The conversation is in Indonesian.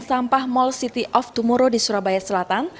sampah mall city of tomoro di surabaya selatan